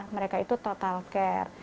mereka itu total care